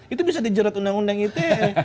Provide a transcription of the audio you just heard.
itu bisa dijerat undang undang ite